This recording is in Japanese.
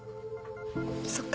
そっか。